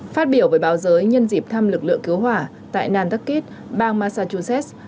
phát biểu với báo giới nhân dịp thăm lực lượng cứu hỏa tại nandakit bang massachusetts